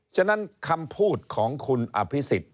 ฉะนั้นคำพูดของคุณอภิษฎ